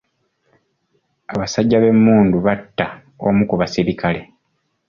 Abasajja b'emmundu batta omu ku basirikale.